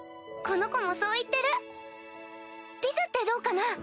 このコもそう言ってるピズってどうかな？